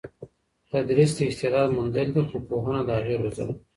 تدریس د استعداد موندل دي خو پوهنه د هغې روزل دي.